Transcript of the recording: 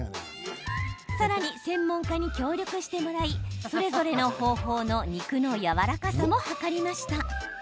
さらに、専門家に協力してもらいそれぞれの方法の肉のやわらかさも測りました。